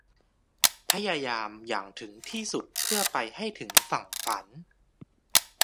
พยายามอย่างถึงที่สุดเพื่อไปให้ถึงฝั่งฝัน